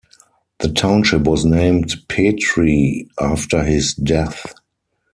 The township was named Petrie after his death.